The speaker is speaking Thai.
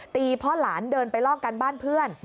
พ่อหลานเดินไปลอกกันบ้านเพื่อน